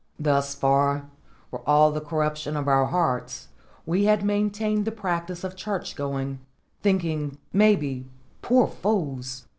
Thus far, for all the corruption of our hearts, we had maintained the practice of church going, thinking, maybe, poor fools!